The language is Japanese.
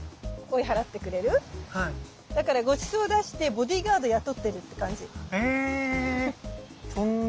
だからごちそう出してボディーガード雇ってるって感じ。